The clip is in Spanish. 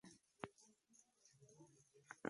Casó con Vicenta Zavaleta Ruiz de Huidobro.